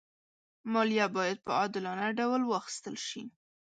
مالیه باید په عادلانه ډول واخېستل شي.